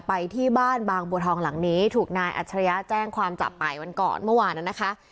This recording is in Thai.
ไปที่บ้านบางบัวทองหลังนี้ถูกนายอัจฉริยะแจ้งความจับไปวันก่อนเมื่อวานนั้นนะคะ